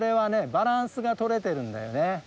バランスが取れてるんだよね。